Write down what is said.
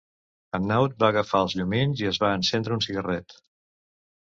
Hanaud va agafar els llumins i es va encendre un cigarret.